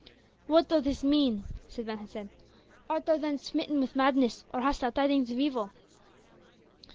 "What doth this mean," said Ben Hesed, "art thou then smitten with madness, or hast thou tidings of evil?"